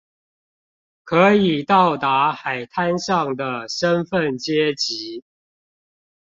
可以到達海灘上的身份階級